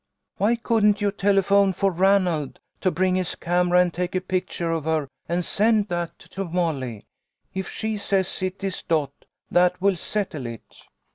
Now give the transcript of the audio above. " Why couldn't you telephone for Ranald to bring his camera and take a picture of her and send that to Mo'ly If she says it is Dot that will settle it.'